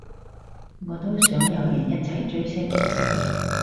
我都想有人一齊追星